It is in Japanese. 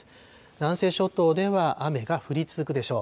南西諸島では雨が降り続くでしょう。